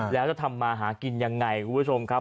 แล้วจะทำมาหากินยังไงคุณผู้ชมครับ